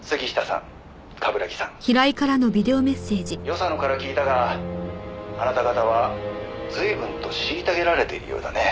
「与謝野から聞いたがあなた方は随分と虐げられているようだね」